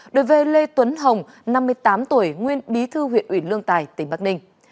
đối với lê tuấn hồng năm mươi tám tuổi nguyên bí thư huyện ủy lương tài tỉnh bắc ninh